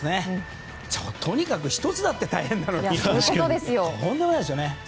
とにかく１つだって大変なのにとんでもないですよね。